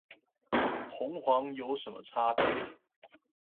紅黃有什麼差別？